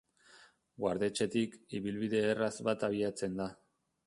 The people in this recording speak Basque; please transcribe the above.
Guardetxetik, ibilbide erraz bat abiatzen da.